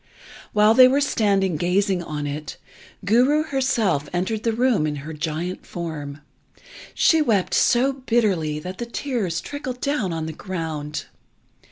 While they were standing gazing on it, Guru herself entered the room in her giant form. She wept so bitterly that the tears trickled down on the ground.